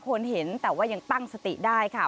เห็นแต่ว่ายังตั้งสติได้ค่ะ